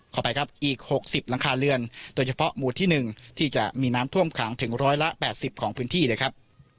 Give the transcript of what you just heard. ขอไปครับอีก๖๐หลังคาเรือนโดยเฉพาะหมู่ที่๑ที่จะมีน้ำท่วมขังถึงร้อยละ๘๐ของพื้นที่เลยครับ